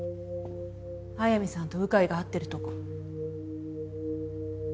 早水さんと鵜飼が会ってるとこ。